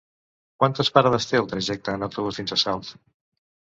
Quantes parades té el trajecte en autobús fins a Salt?